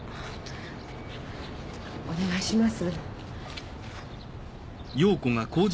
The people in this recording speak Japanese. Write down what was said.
お願いします。